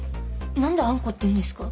何であんこって言うんですか？